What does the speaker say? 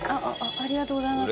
ありがとうございます。